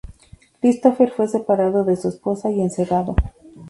Christopher fue separado de su esposa y encerrado.